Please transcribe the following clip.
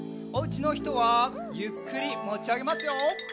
おうちのひとはゆっくりもちあげますよ。